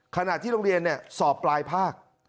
ขณะที่โรงเรียนสอบปลายภาค